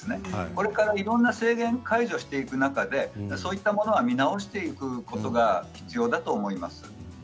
これからいろんな制限を解除する中でそういうものを見直していくことが必要だと思います。